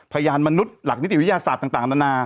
พยานมนุษย์หลักใช้วิทยาศาสตร์ต่าง